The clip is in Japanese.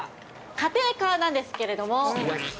家庭科なんですけれども。